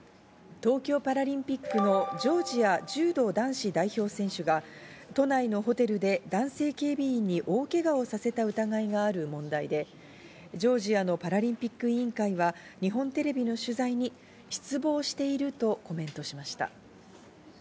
東京パラリンピックのジョージア柔道男子代表選手が都内のホテルで男性警備員に大怪我をさせた疑いがある問題でジョージアのパラリンピック委員会は、日本テレビの取材に失望しているとコメントしました。